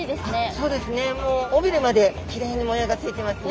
そうですね尾びれまできれいに模様がついてますね。